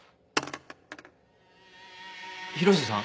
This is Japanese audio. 広瀬さん？